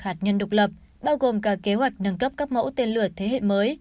hạt nhân độc lập bao gồm cả kế hoạch nâng cấp các mẫu tên lửa thế hệ mới